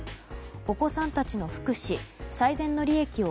お子さんたちの福祉最善の利益を